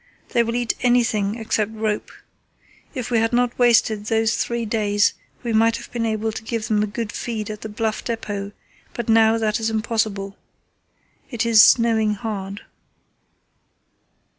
They will eat anything except rope. If we had not wasted those three days we might have been able to give them a good feed at the Bluff depot, but now that is impossible. It is snowing hard."